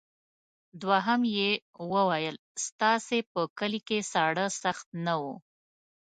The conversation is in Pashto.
دوهم یې وویل ستاسې په کلي کې ساړه سخت نه وو.